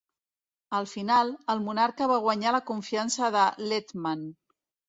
Al final, el monarca va guanyar la confiança de l'Hetman.